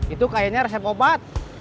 itu kayaknya resep obat